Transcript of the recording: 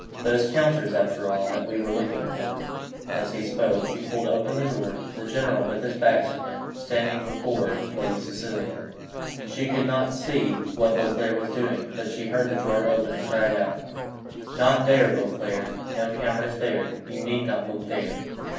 "Those counters, after all, that we were looking for " As he spoke he pulled open the drawer. The general with his back to him was standing before Lady Cecilia, she could not see what Beauclerc was doing, but she heard the drawer open, and cried out. "Not there, Beauclerc; no counters there you need not look there."